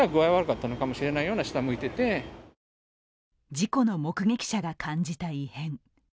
事故の目撃者が感じた異変。